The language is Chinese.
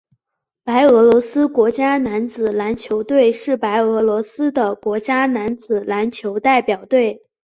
白俄罗斯国家男子篮球队是白俄罗斯的国家男子篮球代表队。